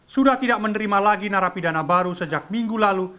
sudah tidak menerima lagi narapidana baru sejak minggu lalu